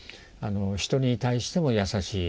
人に対しても優しい。